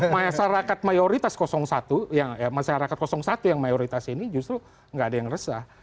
masyarakat mayoritas satu masyarakat satu yang mayoritas ini justru nggak ada yang resah